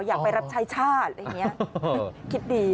อยากไปรับชายชาติอย่างนี้คิดดี